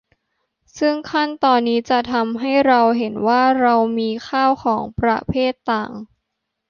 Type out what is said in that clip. ซึ่งขั้นตอนนี้จะทำให้เราเห็นว่าเรามีข้าวของประเภทต่าง